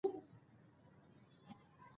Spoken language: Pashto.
سمندر نه شتون د افغان کلتور په داستانونو کې راځي.